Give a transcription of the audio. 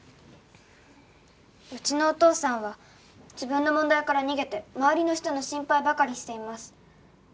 「うちのお父さんは自分の問題から逃げて周りの人の心配ばかりしています」